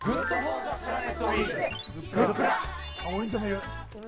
王林ちゃんもいる。